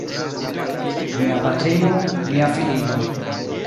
Mia patrino, mia filino.